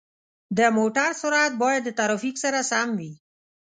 د موټر سرعت باید د ترافیک سره سم وي.